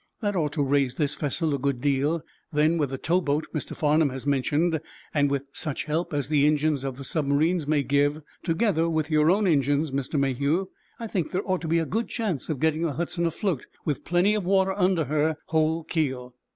"That ought to raise this vessel a good deal. Then, with the towboat Mr. Farnum has mentioned, and with such help as the engines of the submarines may give, together with your own engines, Mr. Mayhew, I think there ought to be a good chance of getting the 'Hudson' afloat with plenty of water under her whole keel.